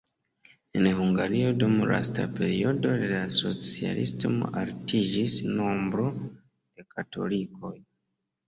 En Hungario dum lasta periodo de la socialismo altiĝis nombro de katolikoj.